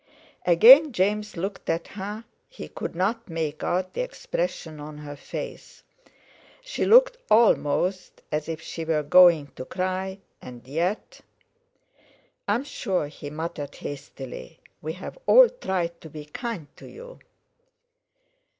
Again James looked at her; he could not make out the expression on her face. She looked almost as if she were going to cry, and yet.... "I'm sure," he muttered hastily, "we've all tried to be kind to you."